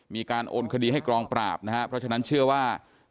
มีการโอนคดีให้กองปราบนะครับเพราะฉะนั้นเชื่อว่า